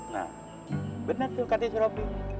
nah bener tuh kak titi robi